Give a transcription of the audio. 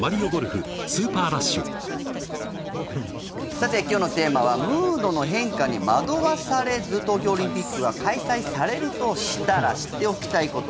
さて、今日のテーマはムードの変化に惑わされず東京オリンピックが開催されるとしたら知っておきたいこと。